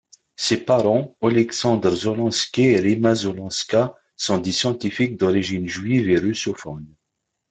Ses parents, Oleksandr Zelensky et Rimma Zelenska, sont des scientifiques d'origine juive et russophone.